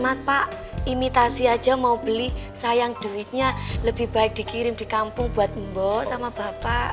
mas pak imitasi aja mau beli sayang duitnya lebih baik dikirim di kampung buat mbok sama bapak